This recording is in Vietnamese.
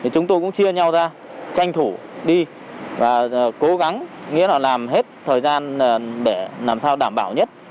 chúng tôi cũng chia nhau ra tranh thủ đi và cố gắng nghĩa là làm hết thời gian để làm sao đảm bảo nhất